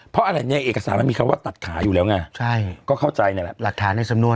เพราะอันนี้เอกสารมันมีคำว่าตัดขาอยู่แล้วไงก็เข้าใจแล้ว